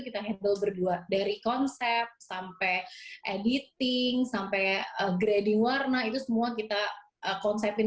kita handle berdua dari konsep sampai editing sampai grading warna itu semua kita konsepin